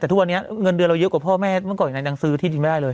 แต่ทุกวันนี้เงินเดือนเราเยอะกว่าพ่อแม่เมื่อก่อนอย่างนั้นยังซื้อที่ดินไม่ได้เลย